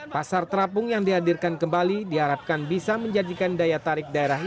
pasar terapung yang dihadirkan kembali diharapkan bisa menjadikan daya tarik daerah ini